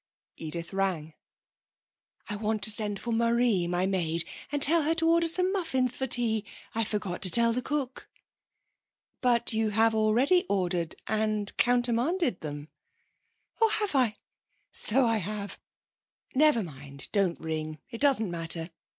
Edith rang. 'I want to send for Marie, my maid, and tell her to order some muffins for tea. I forgot to tell the cook.' 'But you have already ordered and countermanded them.' 'Oh, have I? so I have! Never mind, don't ring. It doesn't matter.